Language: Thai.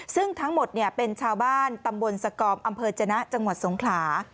ซึ่งทั้งหมดเป็นชาวบ้านตำบลสกอมอำเภอจนะจังหวัดสงขลา